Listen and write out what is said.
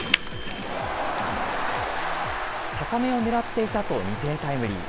高めを狙っていたと２点タイムリー。